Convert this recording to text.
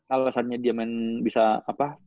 alasannya dia main bisa apa